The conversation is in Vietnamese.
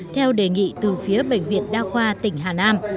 theo đề nghị từ phía bệnh viện đa khoa tỉnh hà nam